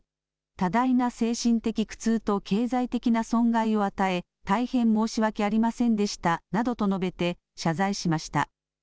多大な精神的苦痛と経済的な損害を与え、大変申し訳ありませんでしたなどと述べて、謝罪しました。